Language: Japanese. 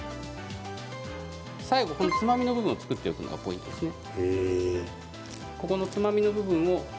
最後、このつまみの部分を作っておくのがポイントですね。